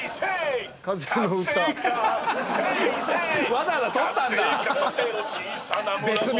わざわざ録ったんだ別日。